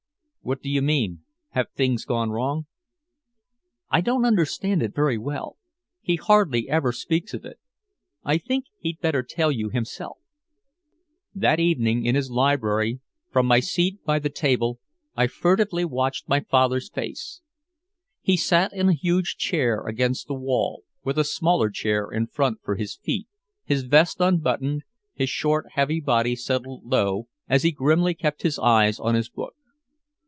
"What do you mean? Have things gone wrong?" "I don't understand it very well. He hardly ever speaks of it. I think he'd better tell you himself." That evening in his library, from my seat by the table, I furtively watched my father's face. He sat in a huge chair against the wall, with a smaller chair in front for his feet, his vest unbuttoned, his short heavy body settled low as he grimly kept his eyes on his book.